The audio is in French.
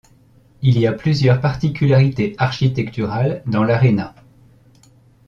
Il y a plusieurs particularités architecturales dans l'aréna.